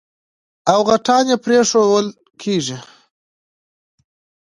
او غټان يې پرېښوول کېږي.